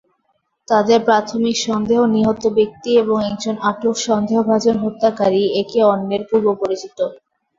তাদের প্রাথমিক সন্দেহ, নিহত ব্যক্তি এবং আটক সন্দেহভাজন হত্যাকারী একে অন্যের পূর্বপরিচিত।